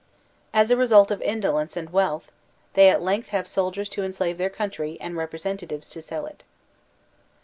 As a result of indolence and wealth, they at length have soldiers to enslave their country and representatives to sell it.